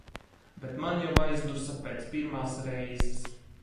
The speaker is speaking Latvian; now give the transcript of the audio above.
Bet man jau aizdusa pēc pirmās reizes.